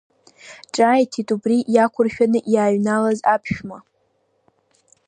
Ҿааиҭит убри иақәыршәаны иааҩналаз аԥшәма.